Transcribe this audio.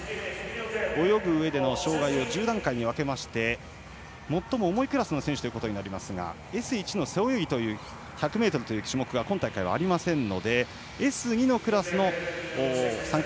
泳ぐうえでの障がいを１０段階に分けまして最も重いクラスの選手となりますがＳ１の背泳ぎという１００ｍの種目は今大会はありませんのでＳ２のクラスの参加